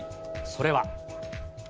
それは。